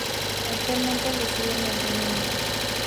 Actualmente reside en el Reino Unido.